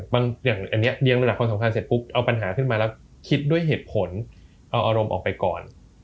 อย่างอันนี้เรียงระดับความสำคัญเสร็จปุ๊บเอาปัญหาขึ้นมาแล้วคิดด้วยเหตุผลเอาอารมณ์ออกไปก่อน